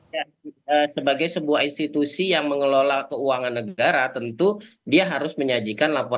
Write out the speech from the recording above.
ya sebagai sebuah institusi yang mengelola keuangan negara tentu dia harus menyajikan laporan